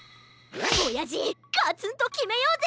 おやじガツンときめようぜ！